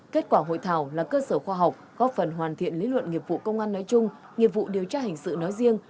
kết quả hội thảo là cơ sở khoa học góp phần hoàn thiện lý luận nghiệp vụ công an nói chung nghiệp vụ điều tra hình sự nói riêng